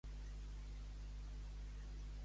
Mare vella i camisa vella no deshonren.